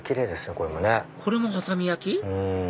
これも波佐見焼？